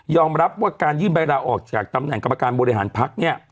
รับว่าการยื่นใบลาออกจากตำแหน่งกรรมการบริหารพักเนี่ย